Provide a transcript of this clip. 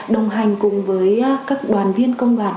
đồng hành cùng với các đoàn viên công đoàn